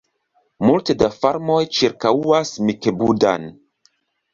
Multe da farmoj ĉirkaŭas Mikebuda-n.